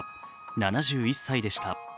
７１歳でした。